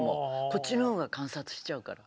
こっちの方が観察しちゃうから。